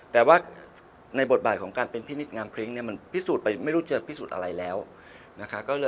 แต่ว่าในบทบาทของการเป็นพินิษฐงามพริ้งเนี่ยมันพิสูจน์ไปไม่รู้จะพิสูจน์อะไรแล้วนะคะ